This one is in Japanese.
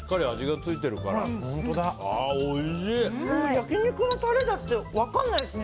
焼き肉のタレだって分かんないですね。